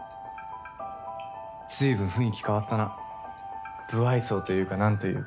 随分雰囲気変わったな無愛想というか何というか。